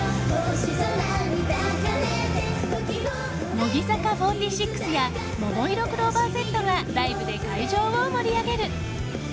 乃木坂４６やももいろクローバーＺがライブで会場を盛り上げる。